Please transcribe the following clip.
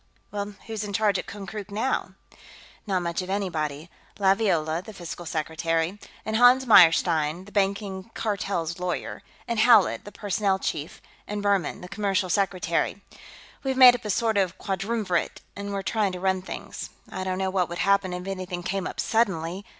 "Well, who's in charge at Konkrook, now?" "Not much of anybody. Laviola, the Fiscal Secretary, and Hans Meyerstein, the Banking Cartel's lawyer, and Howlett, the Personnel Chief, and Buhrmann, the Commercial Secretary, have made up a sort of quadrumvirate and are trying to run things. I don't know what would happen if anything came up suddenly...."